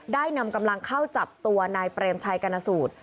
นำกำลังเข้าจับตัวนายเปรมชัยกรณสูตร